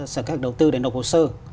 sở kế hoạch đầu tư để nộp hồ sơ